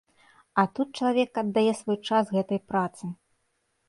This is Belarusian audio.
А тут чалавек аддае свой час гэтай працы.